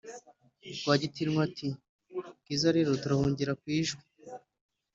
rwagitinwa ati"bwiza rero turahungira kwijwi